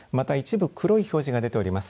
また一部黒い表示が出ております